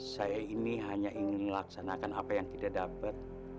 saya ini hanya ingin melaksanakan apa yang tidak dapat